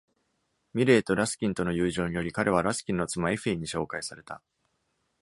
ミレーとラスキンとの友情により、彼はラスキンの妻エフィーに紹介された。